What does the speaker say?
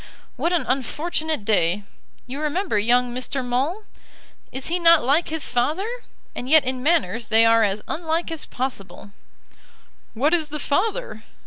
"What an unfortunate day! You remember young Mr. Maule? Is he not like his father? And yet in manners they are as unlike as possible." "What is the father?"